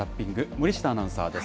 森下アナウンサーです。